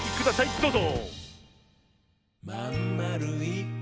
どうぞ！